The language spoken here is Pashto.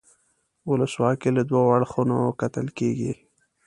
ولسواکي له دوو اړخونو کتل کیږي.